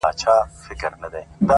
پښتنو انجونو کي حوري پيدا کيږي ـ